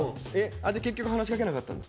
結局話しかけなかったんだ。